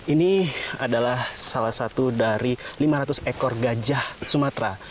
ini adalah salah satu dari lima ratus ekor gajah sumatera